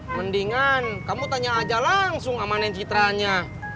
mendingan kamu tanya aja langsung sama nen citranya